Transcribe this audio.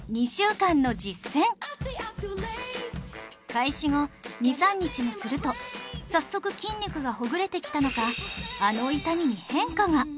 開始後２３日もすると早速筋肉がほぐれてきたのかあの痛みに変化が